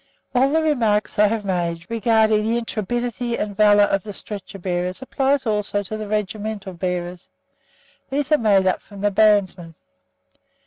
All the remarks I have made regarding the intrepidity and valour of the stretcher bearers apply also to the regimental bearers. These are made up from the bandsmen.